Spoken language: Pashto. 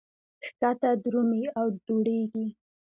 ښکته درومي او دوړېږي.